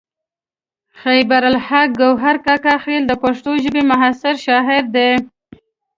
خیبر الحق ګوهر کاکا خیل د پښتو ژبې معاصر شاعر دی.